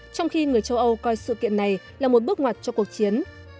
trong khi người châu âu coi sự kiện này là một bước ngoặt cho cuộc chiến